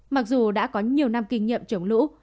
mặc dù đã có nhiều năm kinh nghiệm trồng lũ